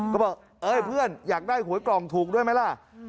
ก็บอกเอ้ยเพื่อนอยากได้หวยกล่องถูกด้วยไหมล่ะ